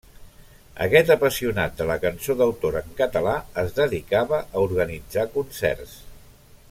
Aquest apassionat de la cançó d'autor en català es dedicava a organitzar concerts.